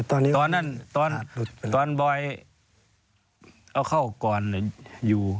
ตอนนั้นตอนบ่อยเอาเข้าก่อนอยู่